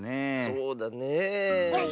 そうだねえ。